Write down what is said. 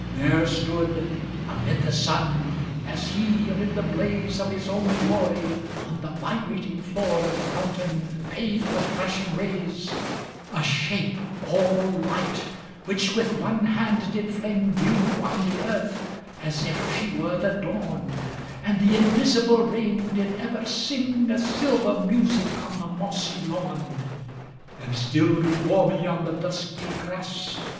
There stood * Amid the sun, as he amid the blaze Of his own glory, on the vibrating 350 Floor of the fountain, paved with flashing rays, *A Shape all light, which with one hand did fling Dew on the earth, as if she were the dawn, And the invisible rain did ever sing * A silver music on the mossy lawn; And still before me on the dusky grass.